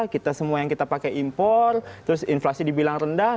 kita semua yang kita pakai impor terus inflasi dibilang rendah